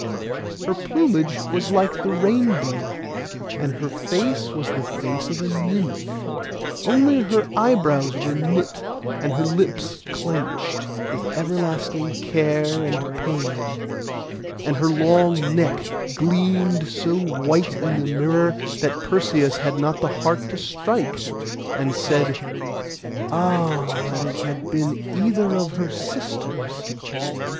Her plumage was like the rainbow, and her face was like the face of a nymph, only her eyebrows were knit, and her lips clenched, with everlasting care and pain; and her long neck gleamed so white in the mirror that Perseus had not the heart to strike, and said, 'Ah, that it had been either of her sisters!